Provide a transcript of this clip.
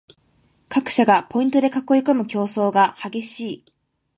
各社がポイントで囲いこむ競争が激しい